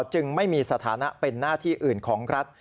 จึงไม่มีสถานะเป็นหน้าที่อื่นของรัฐ